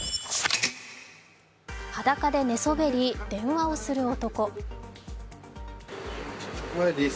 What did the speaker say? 裸で寝そべり、電話をする男。